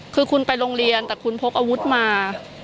คือคุณไปโรงเรียนแต่คุณพกอาวุธมา